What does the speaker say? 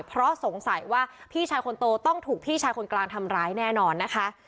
เพราะสงสัยว่าพี่ชายคนโตต้องถูกพี่ชายคนกลางทำร้ายแน่นอนนะคะ